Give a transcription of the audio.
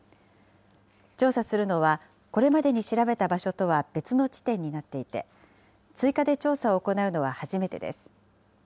調査するのは、これまでに調べた場所とは別の地点になっていて、追加で調査を行うのは初めてです。